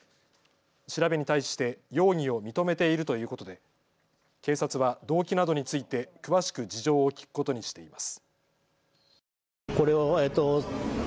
調べに対して容疑を認めているということで警察は動機などについて詳しく事情を聴くことにしています。